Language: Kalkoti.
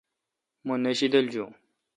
مہ نہ شیدل جون۔